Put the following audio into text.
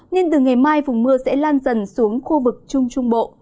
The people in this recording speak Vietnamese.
nên từ ngày mai vùng mưa sẽ lan dần xuống khu vực trung trung bộ